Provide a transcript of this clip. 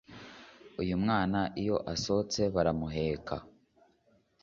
Uyumwana iyo asohohotse baramuheka